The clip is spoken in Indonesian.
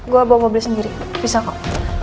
gue bawa mobil sendiri bisa kok